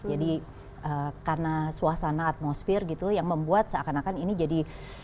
jadi karena suasana atmosfer gitu yang membuat seakan akan ini jadi